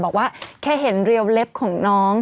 บอกว่าแค่เห็นเรียวเล็บของน้อง